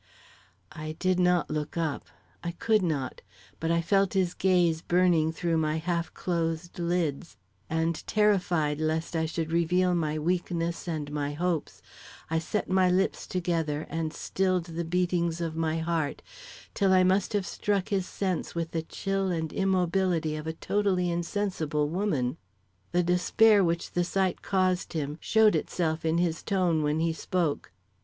I did not look up, I could not; but I felt his gaze burning through my half closed lids, and terrified lest I should reveal my weakness and my hopes, I set my lips together, and stilled the beatings of my heart, till I must have struck his sense with the chill and immobility of a totally insensible woman. The despair which the sight caused him, showed itself in his tone when he spoke.